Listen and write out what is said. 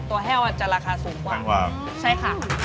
ตัวแห้วจะราคาสูงกว่าครับใช่คะราคา